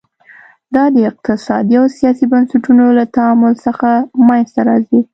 دا د اقتصادي او سیاسي بنسټونو له تعامل څخه منځته راځي.